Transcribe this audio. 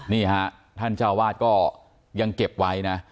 นี่ฮะท่านเจ้าวาดก็ยังเก็บไว้นะ